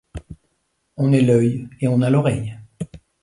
On est l’œil, et on a l’oreille.